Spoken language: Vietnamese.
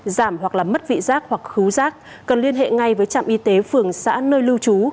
giảm hoặc là mất vị giác hoặc khứ rác cần liên hệ ngay với trạm y tế phường xã nơi lưu trú